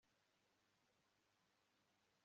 kugira ngo murokoke umuhozi w'amaraso